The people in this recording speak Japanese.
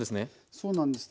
そうなんです。